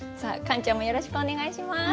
カンちゃんもよろしくお願いします！